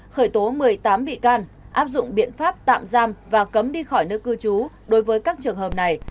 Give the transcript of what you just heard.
khởi tố một mươi tám bị can áp dụng biện pháp tạm giam và cấm đi khỏi nơi cư trú đối với các trường hợp này